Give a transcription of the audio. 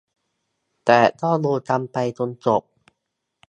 แต่ก็ดูกันไปจนจบ